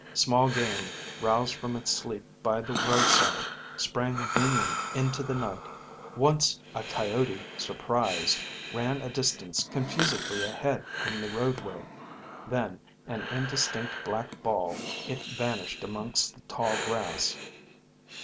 Small game, roused from its sleep by the roadside, sprang winging into the night. Once a coyote, surprised, ran a distance confusedly ahead in the roadway; then, an indistinct black ball, it vanished amongst the tall grass.